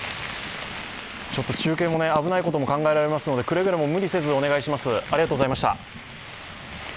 中継も危ないことも考えられますのでくれぐれも無理せずお願いします。